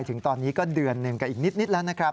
ถึงตอนนี้ก็เดือนหนึ่งกันอีกนิดแล้วนะครับ